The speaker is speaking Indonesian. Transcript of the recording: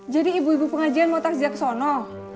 jadi ibu ibu pengajian motosiksono